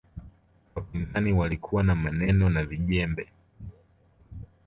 wapinzani walikuwa na maneno na vijembe